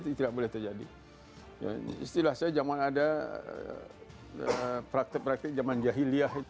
ini tidak boleh terjadi istilah saya zaman ada praktik praktik zaman jahiliah